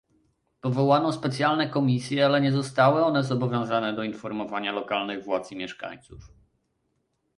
Powołano specjalne komisje, ale nie zostały one zobowiązane do informowania lokalnych władz i mieszkańców